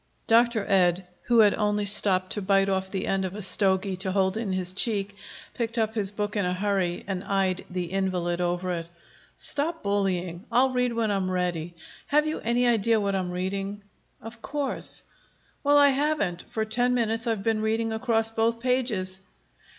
Dr. Ed, who had only stopped to bite off the end of a stogie to hold in his cheek, picked up his book in a hurry, and eyed the invalid over it. "Stop bullying. I'll read when I'm ready. Have you any idea what I'm reading?" "Of course." "Well, I haven't. For ten minutes I've been reading across both pages!"